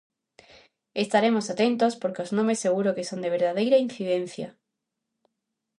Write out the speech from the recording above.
Estaremos atentos porque os nomes seguro que son de verdadeira incidencia.